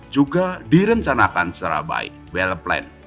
juga direncanakan secara baik well plan